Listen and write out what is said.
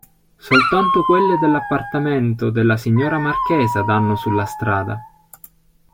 Soltanto quelle dell'appartamento della signora marchesa danno sulla strada.